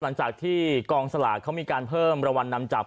หลังจากที่กองสลากเขามีการเพิ่มรางวัลนำจับ